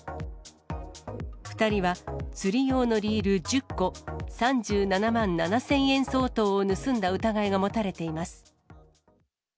２人は釣り用のリール１０個、３７万７０００円相当を盗んだ疑いが持たれています。